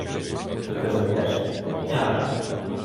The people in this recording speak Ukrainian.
— Не признаєш, княже?